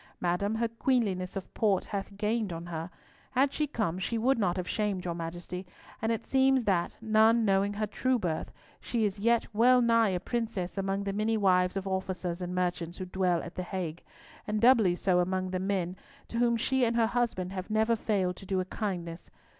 Madam, her queenliness of port hath gained on her. Had she come, she would not have shamed your Majesty; and it seems that, none knowing her true birth, she is yet well nigh a princess among the many wives of officers and merchants who dwell at the Hague, and doubly so among the men, to whom she and her husband have never failed to do a kindness.